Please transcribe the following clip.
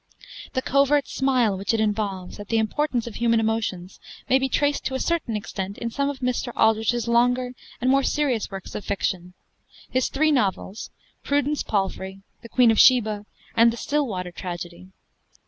The covert smile which it involves, at the importance of human emotions, may be traced to a certain extent in some of Mr. Aldrich's longer and more serious works of fiction: his three novels, 'Prudence Palfrey,' 'The Queen of Sheba,' and 'The Stillwater Tragedy.'